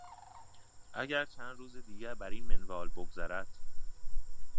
اگر چند روز دیگر بر این منوال بگذرد،...